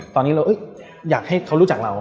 ตอนนี้เราอยากให้เขารู้จักเรา